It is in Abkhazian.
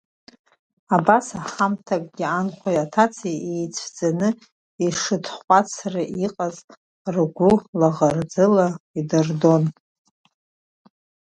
Абас ҳамҭакы анхәеи аҭацеи еицәӡаны ишыҭҟәацра иҟаз ргәы лаӷырӡыла идырдон.